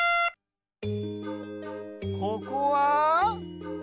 ここは？